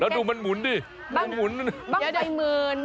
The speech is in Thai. แล้วดูมันหมุนดิบ้างไฟมืน